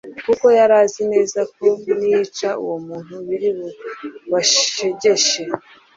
kuko yari azi neza ko niyica uwo muntu biri bubashegeshe